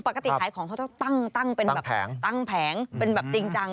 ปกติขายของเขาตั้งแผงเป็นแบบจริงจัง